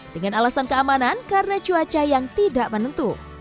dengan alasan keamanan karena cuaca yang tidak menentu